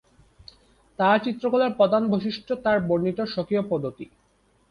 তার চিত্রকলার প্রধান বৈশিষ্ট্য তার বর্ণিত স্বকীয় পদ্ধতি।